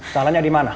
salahnya di mana